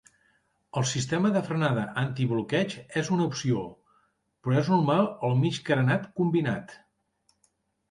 El sistema de frenada antibloqueig és una opció, però és normal el mig carenat combinat.